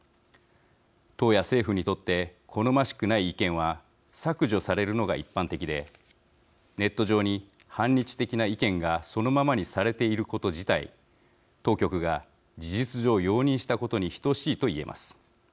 党や政府にとって好ましくない意見は削除されるのが一般的でネット上に反日的な意見がそのままにされていること自体当局が事実上容認したことに等しいと言えます。